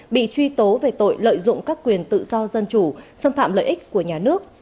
bị truy tố về tội lợi dụng các quyền tự do dân chủ xâm phạm lợi ích của nhà nước